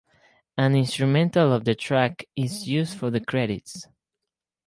An instrumental of the track is used for the credits.